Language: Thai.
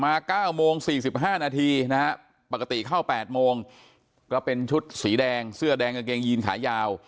๙โมง๔๕นาทีนะฮะปกติเข้า๘โมงก็เป็นชุดสีแดงเสื้อแดงกางเกงยีนขายาว